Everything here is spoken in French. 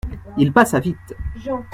Il passa vite.